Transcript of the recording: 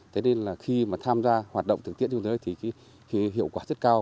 thế nên là khi mà tham gia hoạt động thực tiễn trên thế giới thì hiệu quả rất cao